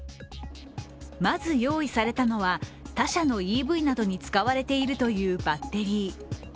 まず用意されたのは、他社のＥＶなどに使われているというバッテリー。